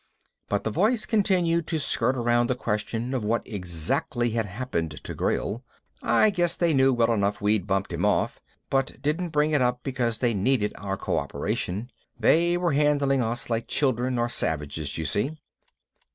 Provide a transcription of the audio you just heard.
But the voice continued to skirt around the question of what exactly had happened to Grayl. I guess they knew well enough we'd bumped him off, but didn't bring it up because they needed our cooperation they were handling us like children or savages, you see.